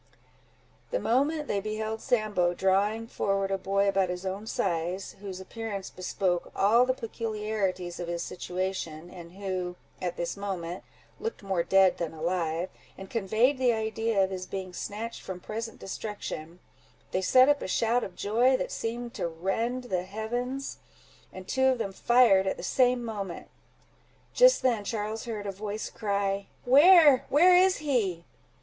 The moment they beheld Sambo, drawing forward a boy about his own size, whose appearance bespoke all the peculiarities of his situation, and who at this moment, looked more dead than alive, and conveyed the idea of his being snatched from present destruction, they set up a shout of joy, that seemed to rend the heavens, and two of them fired at the same moment. Just then Charles heard a voice cry, "Where, where is he?"